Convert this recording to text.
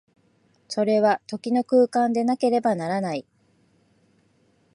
それは時の空間でなければならない。